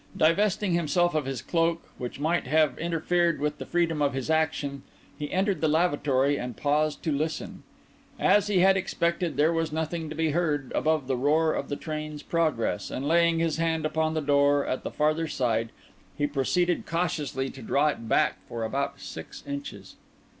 Divesting himself of his cloak, which might have interfered with the freedom of his action, he entered the lavatory and paused to listen. As he had expected, there was nothing to be heard above the roar of the train's progress; and laying his hand on the door at the farther side, he proceeded cautiously to draw it back for about six inches.